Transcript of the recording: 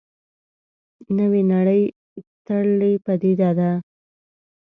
نوې نړۍ تړلې پدیده ده.